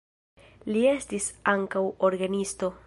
Li estis ankaŭ orgenisto.